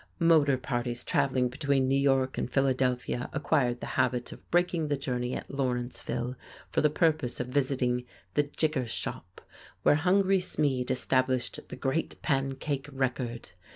Motor parties traveling between New York and Philadelphia acquired the habit of breaking the journey at Lawrenceville for the purpose of visiting "The Jigger Shop," where Hungry Smeed established the Great Pancake record.